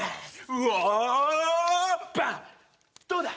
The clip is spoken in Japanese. うおバンどうだ？